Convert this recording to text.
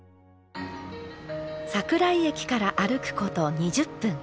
桜井駅から歩くこと２０分。